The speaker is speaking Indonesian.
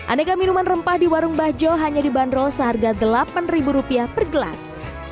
aneka minuman rempah di warung bajo hanya dibanderol seharga rp delapan per gelas